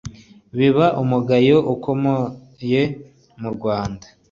Biba umugayo ukomeye mu Rwanda